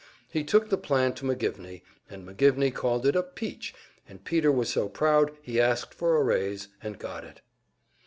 He took the plan to McGivney, and McGivney called it a "peach," and Peter was so proud he asked for a raise, and got it.